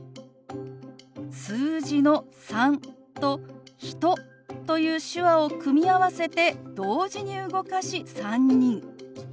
数字の「３」と「人」という手話を組み合わせて同時に動かし「３人」。